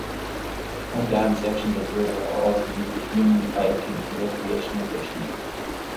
Undammed sections of the river are also used for canoeing, kayaking and recreational fishing.